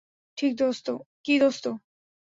কি, দোস্ত!